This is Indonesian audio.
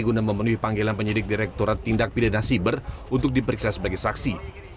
guna memenuhi panggilan penyidik direkturat tindak pidana siber untuk diperiksa sebagai saksi